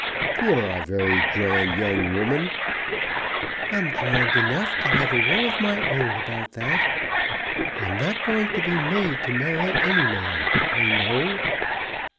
"You're a very grand young woman." "I'm grand enough to have a will of my own about that. I'm not going to be made to marry any man, I know."